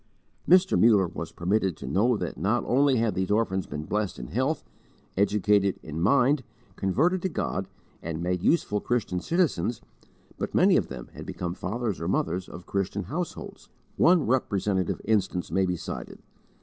Mr. Muller was permitted to know that not only had these orphans been blessed in health, educated in mind, converted to God, and made useful Christian citizens, but many of them had become fathers or mothers of Christian households. One representative instance may be cited.